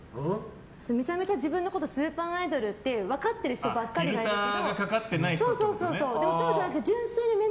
めちゃめちゃ自分がスーパーアイドルって分かってる人ばっかりだけど。